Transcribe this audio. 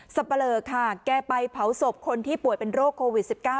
สำเพร่าค่ะแกไปเผาศพคนที่ปวดเป็นโรคโควิดสิบเก้า